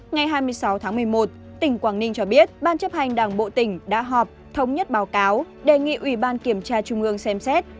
ngày hai mươi sáu tháng một mươi một tỉnh quảng ninh cho biết ban chấp hành đảng bộ tỉnh đã họp thống nhất báo cáo đề nghị ủy ban kiểm tra trung ương xem xét